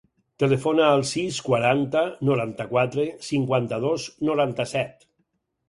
Telefona al sis, quaranta, noranta-quatre, cinquanta-dos, noranta-set.